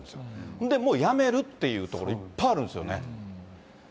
んでもう、辞めるっていう所、いっぱいあるんですよね。